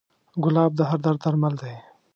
ګلاب د هر درد درمل دی.